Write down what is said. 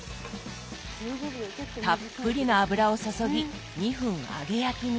たっぷりの油を注ぎ２分揚げ焼きに。